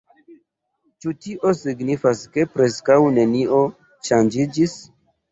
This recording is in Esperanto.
Ĉu tio signifas, ke preskaŭ nenio ŝanĝiĝis?